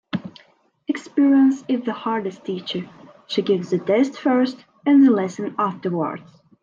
Experience is the hardest teacher. She gives the test first and the lesson afterwards.